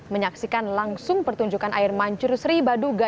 menyaksikan langsung pertunjukan air mancur sri baduga